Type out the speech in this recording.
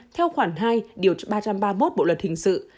theo khoản hai điều ba trăm ba mươi một bộ luật hình sự